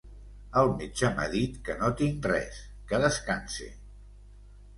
El metge m'ha dit que no tinc res, que descanse.